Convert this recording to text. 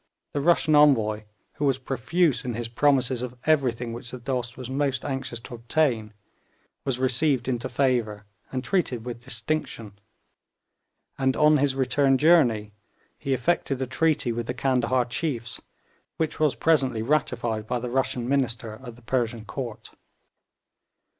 The Russian envoy, who was profuse in his promises of everything which the Dost was most anxious to obtain, was received into favour and treated with distinction, and on his return journey he effected a treaty with the Candahar chiefs, which was presently ratified by the Russian minister at the Persian Court.